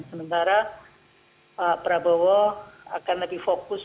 sementara pak prabowo akan lebih fokus